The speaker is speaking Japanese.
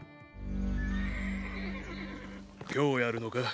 今日やるのか？